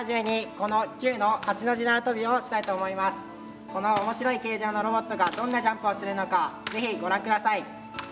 この面白い形状のロボットがどんなジャンプをするのかぜひご覧下さい。